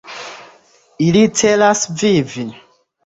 Ili celas vivi.